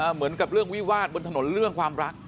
เหมือนกับเรื่องวิวาดบนถนนเรื่องความรัก